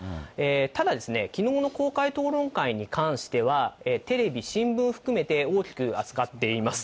ただ、きのうの公開討論会に関しては、テレビ、新聞含めて、大きく扱っています。